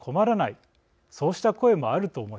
そうした声もあると思います。